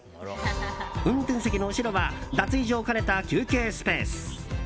運転席の後ろは脱衣所を兼ねた休憩スペース。